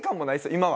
今は。